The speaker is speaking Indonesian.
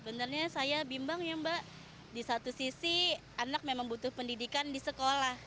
sebenarnya saya bimbang ya mbak di satu sisi anak memang butuh pendidikan di sekolah